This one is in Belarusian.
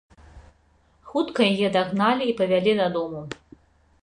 Хутка яе дагналі і павялі дадому.